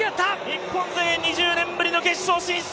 日本勢２０年ぶりの決勝進出、